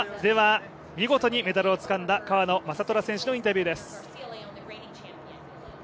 見事にメダルをつかんだ川野将虎選手のインタビューです。